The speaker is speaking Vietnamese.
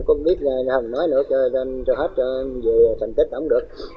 không biết nghe hồng nói nữa cho hết về thành tích không được